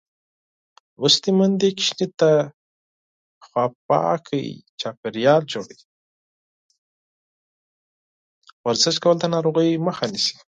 ورزش کول د ناروغیو مخه نیسي.